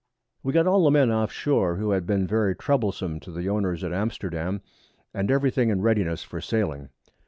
We got all the Men off Shoar, who had been very troublesome to the Owners at Amsterdam, and every thing in Readiness for Sailing.